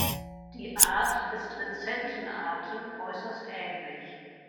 Die Art ist rezenten Arten äußerst ähnlich.